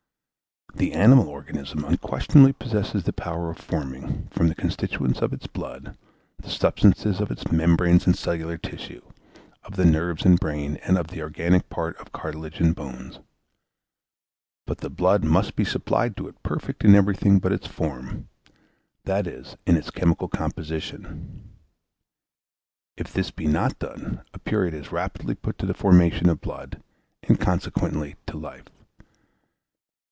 The animal organism unquestionably possesses the power of forming, from the constituents of its blood, the substance of its membranes and cellular tissue, of the nerves and brain, and of the organic part of cartilages and bones. But the blood must be supplied to it perfect in everything but its form that is, in its chemical composition. If this be not done, a period is rapidly put to the formation of blood, and consequently to life.